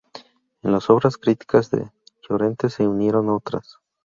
A las obras críticas de Llorente se unieron otras.